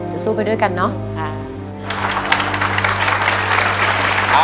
จะสู้ไปด้วยกันเนอะค่ะ